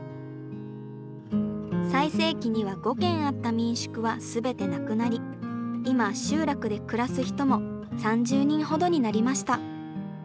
最盛期には５軒あった民宿は全てなくなり今集落で暮らす人も３０人ほどになりました。